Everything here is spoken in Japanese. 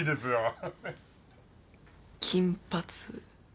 金髪。